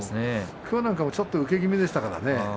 きょうなんかはちょっと受け気味でしたね。